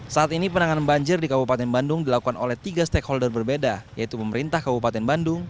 saat ini penanganan banjir di kabupaten bandung dilakukan oleh tiga stakeholder berbeda yaitu pemerintah kabupaten bandung